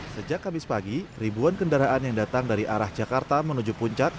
sejak kamis pagi ribuan kendaraan yang datang dari arah jakarta menuju puncak